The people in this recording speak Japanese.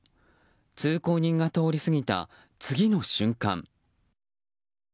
通行人が通り過ぎた次の瞬間